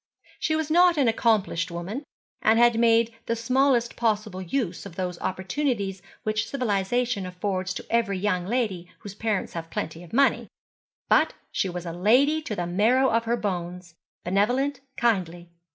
She was not an accomplished woman, and had made the smallest possible use of those opportunities which civilization affords to every young lady whose parents have plenty of money; but she was a lady to the marrow of her bones benevolent, kindly.